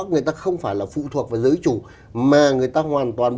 người ta không phải là phụ thuộc vào giới chủ mà người ta hoàn toàn